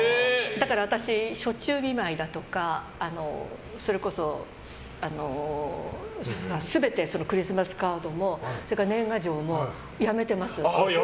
私、暑中見舞いだとかそれこそ全てクリスマスカードも年賀状もやめてます。